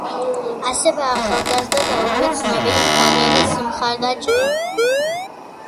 ასევე ახალგაზრდა და უკვე ცნობილი მხატვრების მხარდაჭრა.